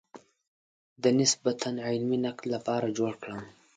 د نسبتاً علمي نقد لپاره جوړ کړم.